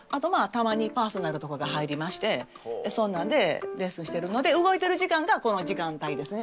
たまにパーソナルとかが入りましてそんなんでレッスンしてるので動いてる時間がこの時間帯ですね。